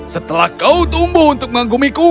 setelah kau tumbuh untuk mengagumiku